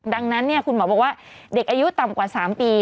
ดังนั้นคุณหมอบอกว่าเด็กอายุต่ำกว่า๓ปี